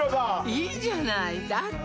いいじゃないだって